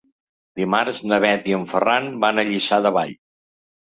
Dimarts na Bet i en Ferran van a Lliçà de Vall.